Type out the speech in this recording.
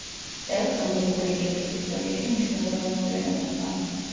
წელს, ამერიკული კილტის ისტორიაში მნიშვნელოვანი მოვლენა მოხდა.